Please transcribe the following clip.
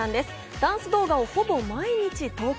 ダンス動画をほぼ毎日投稿。